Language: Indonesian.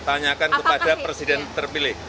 tanyakan kepada presiden terpilih